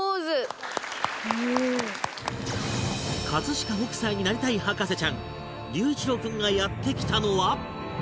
飾北斎になりたい博士ちゃん龍一郎君がやって来たのは